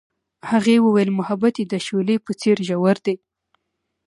هغې وویل محبت یې د شعله په څېر ژور دی.